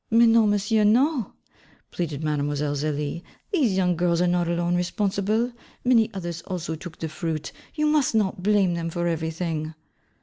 'Mais non, Monsieur, non,' pleaded Mademoiselle Zélie, 'these young girls are not alone responsible; many others also took the fruit; you must not blame them for everything.'